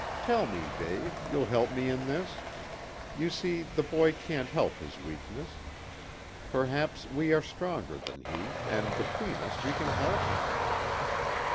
Tell me, Dave, you'll help me in this. You see the boy can't help his weakness. Perhaps we are stronger than he, and between us we can help him."